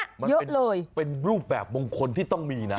เยอะเลยเป็นรูปแบบมงคลที่ต้องมีนะ